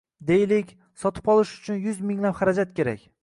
deylik... sotib olish uchun yuz minglab xarajat kerak